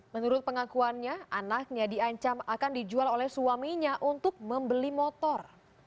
menurut pengakuannya anaknya diancam akan dijual oleh suaminya untuk membeli motor